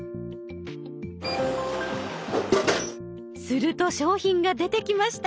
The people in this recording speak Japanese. すると商品が出てきました。